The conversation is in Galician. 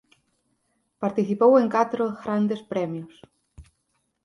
Participou en catro grandes premios.